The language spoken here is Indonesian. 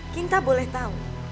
kita boleh tahu